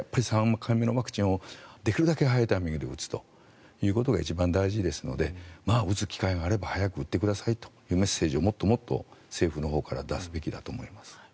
３回目のワクチンをできるだけ早いタイミングで打つということが一番大事ですので打つ機会があれば早く打ってくださいというメッセージをもっともっと政府のほうから出すべきだと思います。